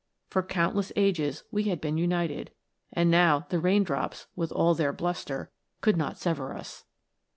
For countless ages we had been united, and now the rain drops, with all their bluster, could not sever us.